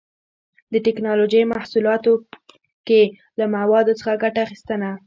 د ټېکنالوجۍ محصولاتو کې له موادو څخه ګټه اخیستنه